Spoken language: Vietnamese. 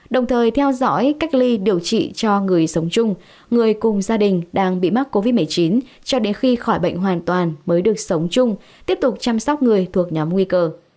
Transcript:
đồng thời theo dõi cách ly điều trị cho người sống chung người cùng gia đình đang bị mắc covid một mươi chín cho đến khi khỏi bệnh hoàn toàn mới được sống chung tiếp tục chăm sóc người thuộc nhóm nguy cơ